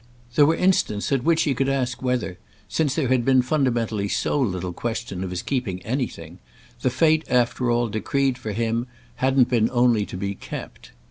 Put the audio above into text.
There were instants at which he could ask whether, since there had been fundamentally so little question of his keeping anything, the fate after all decreed for him hadn't been only to be kept.